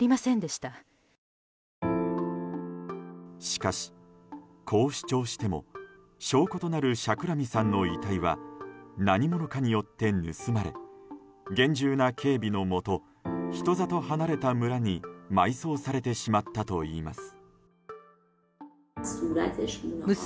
しかし、こう主張しても証拠となるシャクラミさんの遺体は何者かによって盗まれ厳重な警備のもと人里離れた村に埋葬されてしまったといいます。